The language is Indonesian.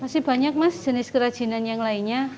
masih banyak mas jenis kerajinan yang lainnya